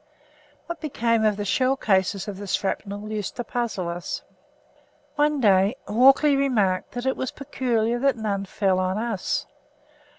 What became of the shell cases of the shrapnel used to puzzle us. One day Walkley remarked that it was peculiar that none fell on us.